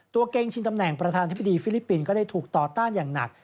เกงชิงตำแหน่งประธานธิบดีฟิลิปปินส์ก็ได้ถูกต่อต้านอย่างหนัก